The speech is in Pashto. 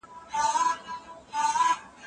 بیعت باندي سلا کړو